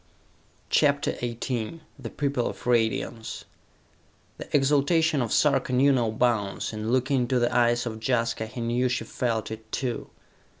CHAPTER XVIII The People of Radiance The exaltation of Sarka knew no bounds, and looking into the eyes of Jaska, he knew she felt it, too.